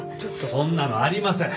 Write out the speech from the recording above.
そんなのありません。